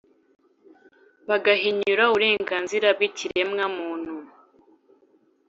bagahinyura uburenganzira bw’ikiremwamuntu